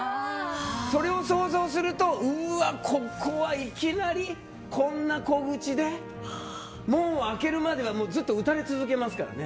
それを想像するとうわ、ここはいきなりこんな小口で門を開けるまではずっと撃たれ続けますからね。